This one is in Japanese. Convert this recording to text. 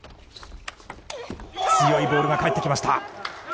強いボールが返ってきました。